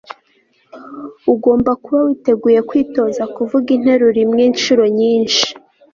ugomba kuba witeguye kwitoza kuvuga interuro imwe inshuro nyinshi